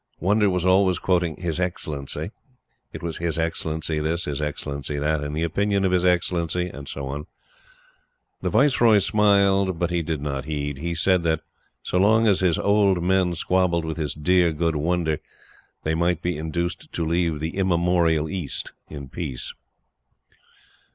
Wonder was always quoting "His Excellency." It was "His Excellency this," "His Excellency that," "In the opinion of His Excellency," and so on. The Viceroy smiled; but he did not heed. He said that, so long as his old men squabbled with his "dear, good Wonder," they might be induced to leave the "Immemorial East" in peace.